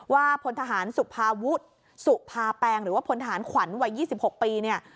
พลทหารสุภาวุฒิสุภาแปงหรือว่าพลทหารขวัญวัย๒๖ปีเนี่ย